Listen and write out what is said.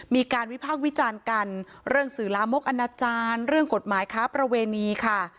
มีการวิพากษ์วิจารณ์กันเรื่องสื่อลามกอนาจารย์เรื่องกฎหมายค้าประเวณีค่ะ